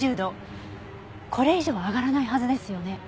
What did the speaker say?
これ以上上がらないはずですよね。